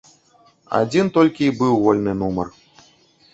Адзін толькі й быў вольны нумар.